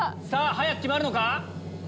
早く決まるのか？